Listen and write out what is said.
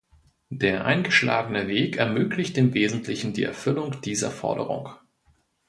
Der eingeschlagene Weg ermöglicht im wesentlichen die Erfüllung dieser Forderung.